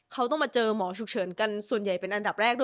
เขาต้องมาเจอหมอฉุกเฉินกันส่วนใหญ่เป็นอันดับแรกด้วย